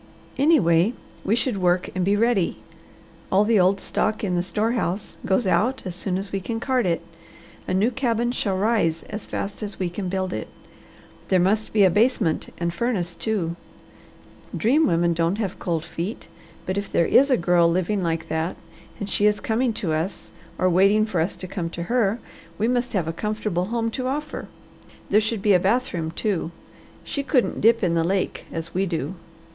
Anyway, we should work and be ready. All the old stock in the store house goes out as soon as we can cart it. A new cabin shall rise as fast as we can build it. There must be a basement and furnace, too. Dream women don't have cold feet, but if there is a girl living like that, and she is coming to us or waiting for us to come to her, we must have a comfortable home to offer. There should be a bathroom, too. She couldn't dip in the lake as we do.